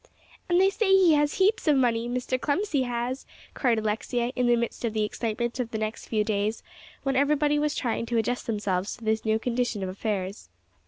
"And they say he has heaps of money Mr. Clemcy has," cried Alexia, in the midst of the excitement of the next few days, when everybody was trying to adjust themselves to this new condition of affairs.